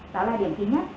đó là điểm thứ nhất